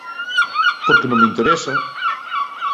Porque non me interesa.